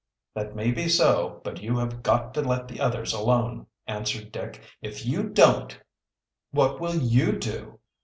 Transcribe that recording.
"That may be so, but you have got to let the others alone," answered Dick. "If you don't " "What will you do?"